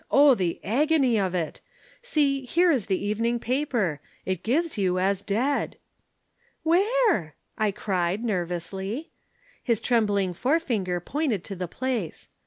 O the agony of it! See, here is the evening paper! It gives you as dead.' "'Where?' I cried, nervously. His trembling forefinger pointed to the place.